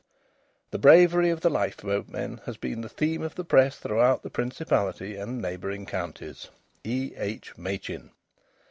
_ The bravery of the lifeboatmen has been the theme of the Press throughout the Principality and neighbouring counties. E.D. MACHIN.